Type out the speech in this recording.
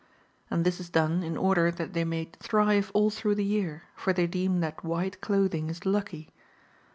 And this is done in order that they may thrive all through the year, for they deem that white clothing is lucky.